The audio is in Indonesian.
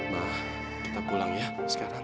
nah kita pulang ya sekarang